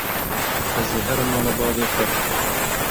Ez ê herim mala bavê xwe.